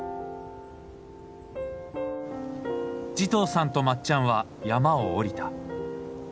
慈瞳さんとまっちゃんは山を下りた。